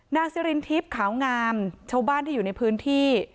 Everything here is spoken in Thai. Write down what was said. ซิรินทิพย์ขาวงามชาวบ้านที่อยู่ในพื้นที่